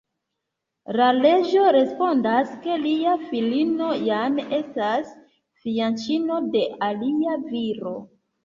La reĝo respondas, ke lia filino jam estas fianĉino de alia viro.